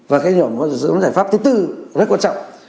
và cái nhỏ có thể giữ giải pháp thứ tư rất quan trọng